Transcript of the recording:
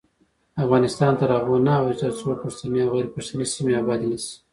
افغانستان تر هغو نه ابادیږي، ترڅو پښتني او غیر پښتني سیمې ابادې نشي.